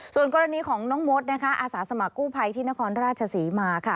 ส่วนกรณีของน้องมดนะคะอาสาสมัครกู้ภัยที่นครราชศรีมาค่ะ